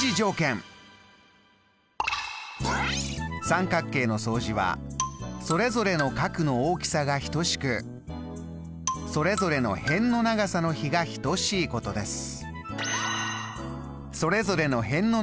三角形の相似はそれぞれの角の大きさが等しくそれぞれの辺の長さの比が等しいことです。